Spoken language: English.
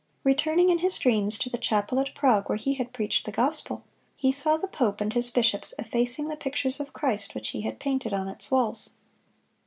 Returning in his dreams to the chapel at Prague where he had preached the gospel, he saw the pope and his bishops effacing the pictures of Christ which he had painted on its walls.